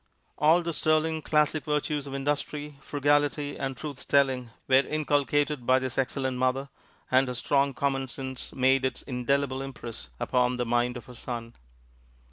All the sterling, classic virtues of industry, frugality and truth telling were inculcated by this excellent mother, and her strong commonsense made its indelible impress upon the mind of her son.